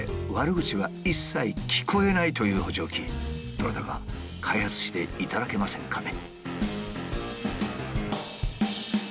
どなたか開発していただけませんかね？